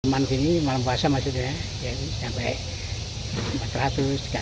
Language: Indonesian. manusia ini malam puasa maksudnya sampai empat ratus tiga ratus